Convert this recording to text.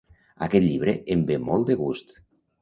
Aquest llibre em ve molt de gust.